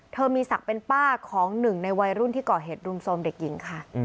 มีศักดิ์เป็นป้าของหนึ่งในวัยรุ่นที่ก่อเหตุรุมโทรมเด็กหญิงค่ะ